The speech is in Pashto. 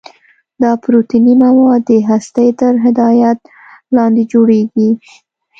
دا پروتیني مواد د هستې تر هدایت لاندې جوړیږي.